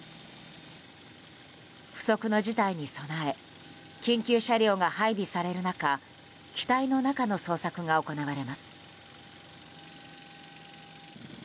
不測の事態に備え緊急車両が配備される中機体の中の捜索が行われます。